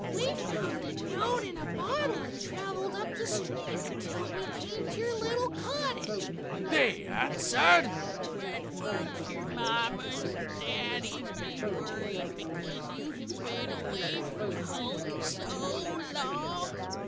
"We found a note in a bottle and traveled up the stream until we came to your little cottage," they answered. "But won't your mamas and daddies be worried because you have been away from home so long?"